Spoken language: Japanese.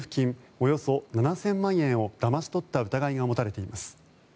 およそ７０００万円をだまし取った疑いが持たれています。